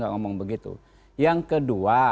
ngomong begitu yang kedua